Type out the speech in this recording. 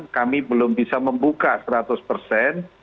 kami belum bisa membuka seratus persen